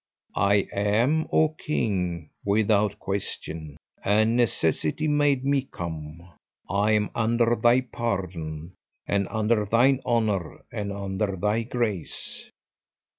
"I am, O king, without question, and necessity made me come. I am under thy pardon, and under thine honour, and under thy grace."